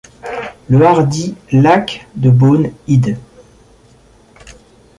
Le hardy Iacques de Beaune id.